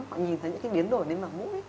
họ nhìn thấy những cái biến đổi lên mà mũi